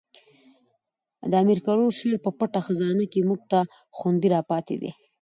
د امیر کروړ شعر په پټه خزانه کښي موږ ته خوندي را پاتي دي.